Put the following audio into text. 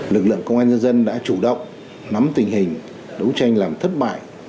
lực lượng công an nhân dân đã chủ động nắm tình hình đấu tranh làm thất bại